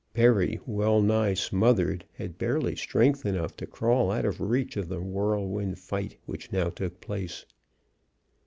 Perry, well nigh smothered, had barely strength enough to crawl out of reach of the whirlwind fight which now took place.